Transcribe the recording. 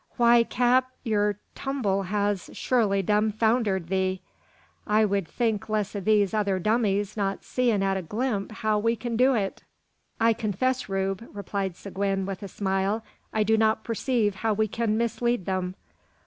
"Why, cap, yur tumble has surely dumfoundered ye. I wud think less o' these other dummies not seein' at a glimp how we kin do it." "I confess, Rube," replied Seguin, with a smile, "I do not perceive how we can mislead them."